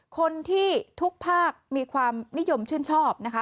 คนที่ทุกภาคมีความนิยมชื่นชอบนะคะ